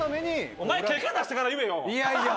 お前結果出してから言えよ。